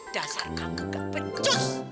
dasar kaget gak pecus